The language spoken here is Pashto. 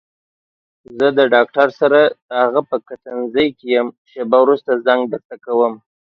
زه د ډاکټر سره دهغه په کتنځي کې يم شېبه وروسته زنګ درته کوم.